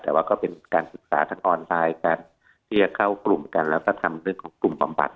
แต่ว่าก็เป็นการศึกษาทางออนไลน์กันที่จะเข้ากลุ่มกันแล้วก็ทำเรื่องของกลุ่มบำบัด